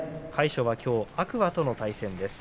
魁勝はきょう天空海との対戦です。